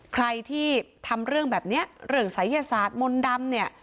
ใครที่ทำเรื่องแบบนี้เรื่องศัยยศาสตร์มนต์ดำเนี่ย